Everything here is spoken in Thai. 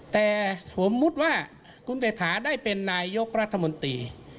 แต่สมมุติว่าคุณเศรษฐาได้เป็นนายกรัฐมนตรี